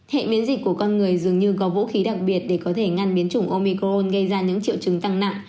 hệ miễn dịch của con người dường như có vũ khí đặc biệt để có thể ngăn biến chủng omicron gây ra những triệu chứng tăng nặng